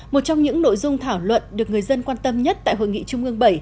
một trong những nội dung thảo luận được người dân quan tâm nhất tại hội nghị trung ương bảy